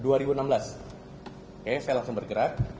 oke saya langsung bergerak